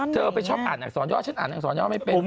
เธอไปชอบอ่านอักษรย่อฉันอ่านอักษรย่อไม่เป็น